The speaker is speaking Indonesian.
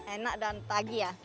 enak dan tagi ya